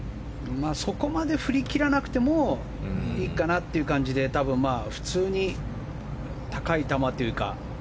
そこまで振り切らなくてもいいかなという感じで普通に高い球というか。